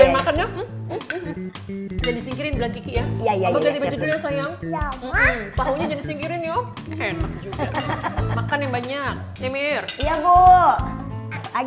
makan yang banyak